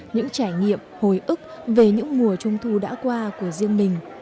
những trải nghiệm hồi ức về những mùa trung thu đã qua của riêng mình